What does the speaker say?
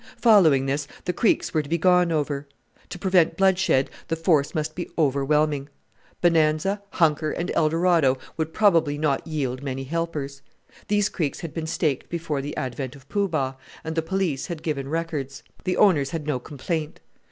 Following this, the creeks were to be gone over. To prevent bloodshed the force must be overwhelming. Bonanza, Hunker, and Eldorado would probably not yield many helpers. These creeks had been staked before the advent of Poo Bah, and the police had given records. The owners had no complaint.